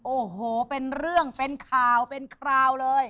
โอ้โหเป็นเรื่องเป็นข่าวเป็นคราวเลย